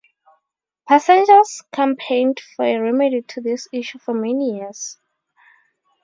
Passengers campaigned for a remedy to this issue for many years.